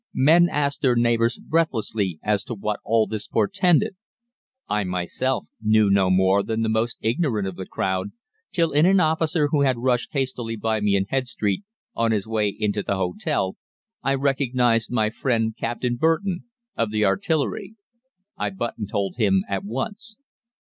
Men asked their neighbours breathlessly as to what all this portended. I myself knew no more than the most ignorant of the crowd, till in an officer who rushed hastily by me in Head Street, on his way into the hotel, I recognised my friend Captain Burton, of the Artillery. "I buttonholed him at once.